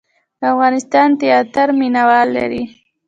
د افغانستان تیاتر مینه وال لري